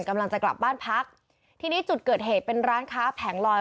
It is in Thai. กำลังจะกลับบ้านพักทีนี้จุดเกิดเหตุเป็นร้านค้าแผงลอย